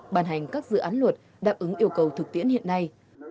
bàn hành các dự án luật đáp ứng yêu cầu thực tiễn hiện nay